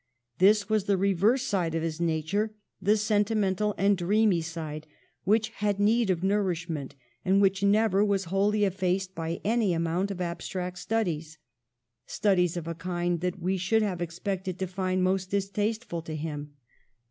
This was the reverse side of his nature, the sentimental and dreamy side, which had need of nourishment and which never was wholly effaced by any amount of ab stract studies — studies of a kind that we should have expected to find most distasteful to him.